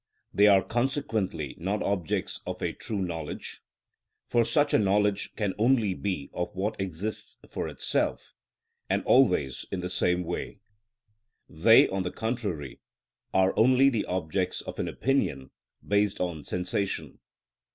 They are consequently not objects of a true knowledge (επιστημη), for such a knowledge can only be of what exists for itself, and always in the same way; they, on the contrary, are only the objects of an opinion based on sensation (δοξα μετ᾽ αισθησεως αλογου).